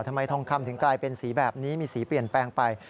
ทำไมทองคำถึงกลายเป็นสีแบบนี้มีสีเปลี่ยนแปลงไป